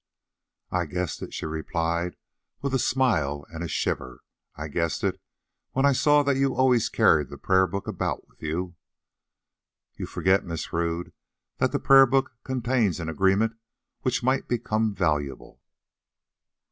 "I guessed it," she replied with a smile and a shiver. "I guessed it when I saw that you always carried the prayer book about with you." "You forget, Miss Rodd, that the prayer book contains an agreement which might become valuable."